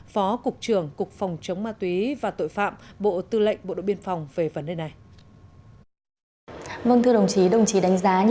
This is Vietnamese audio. phó cục trưởng cục phòng chống ma túy và tội phạm bộ tư lệnh bộ đội biên phòng về vấn đề này